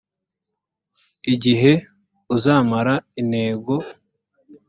igihe uzamara intego